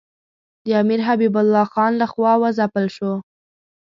د امیر حبیب الله خان له خوا وځپل شو.